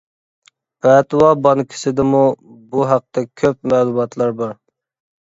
پەتىۋا بانكىسىدىمۇ بۇ ھەقتە كۆپ مەلۇماتلار بار.